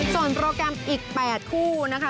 ส่วนโปรแกรมอีก๘คู่นะคะ